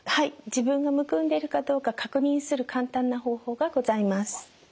自分がむくんでるかどうか確認する簡単な方法がございます。